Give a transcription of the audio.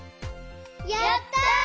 やった！